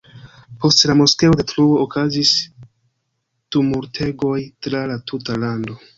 Post la moskeo-detruo okazis tumultegoj tra la tuta lando.